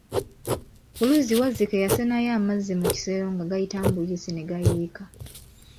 Ku luzzi Wazzike yasenayo amazzi mu kisero nga gayitamu buyisi ne gayiika.